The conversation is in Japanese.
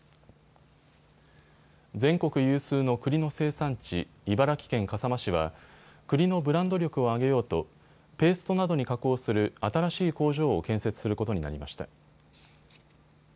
全国有数のくりの生産地、茨城県笠間市はくりのブランド力を上げようとペーストなどに加工する新しい工場を建設することになりました。